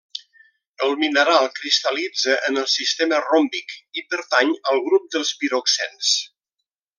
El mineral cristal·litza en el sistema ròmbic i pertany al grup dels piroxens.